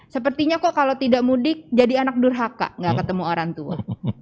sepertinya kok kalau tidak mudik jadi anak durhaka gak ketemu orang tua